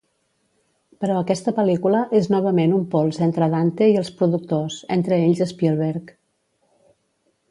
Però aquesta pel·lícula és novament un pols entre Dante i els productors, entre ells Spielberg.